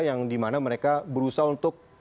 yang dimana mereka berusaha untuk